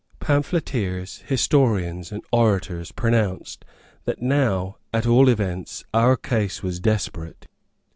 Pamphleteers, historians and orators pronounced that now, at all events, our case was desperate.